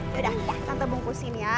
ya udah tante bungkusin ya